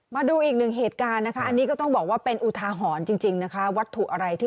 มาดูอีกหนึ่งเหตุการณ์นะคะอันนี้ก็ต้องบอกว่าเป็นอุทาหรณ์จริงนะคะวัตถุอะไรที่